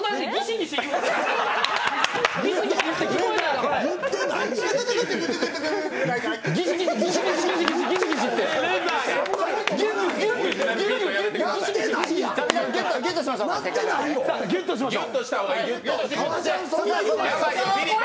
ギュッとしましょう。